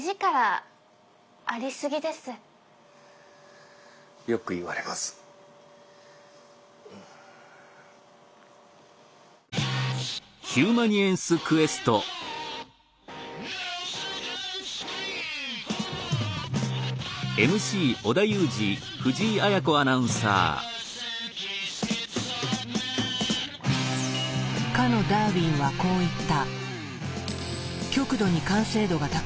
かのダーウィンはこう言った。